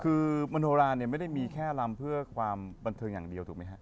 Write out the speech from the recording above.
คือมโนราเนี่ยไม่ได้มีแค่ลำเพื่อความบันเทิงอย่างเดียวถูกไหมฮะ